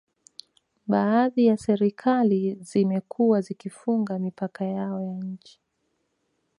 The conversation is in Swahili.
Baadhi ya serikali zimekuwa zikifunga mipaka yao ya nchi